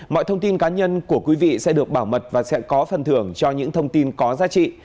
mọi thông tin cá nhân của quý vị sẽ được bảo mật và sẽ có phần thưởng cho những thông tin có giá trị